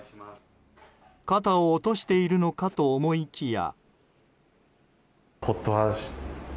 肩を落としているのかと思いきや。